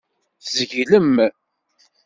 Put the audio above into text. Tzeglem.